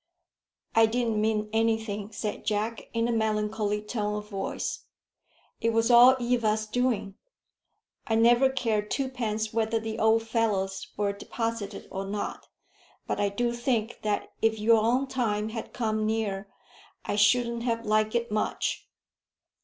"I didn't mean anything," said Jack, in a melancholy tone of voice. "It was all Eva's doing. I never cared twopence whether the old fellows were deposited or not, but I do think that if your own time had come near, I shouldn't have liked it much."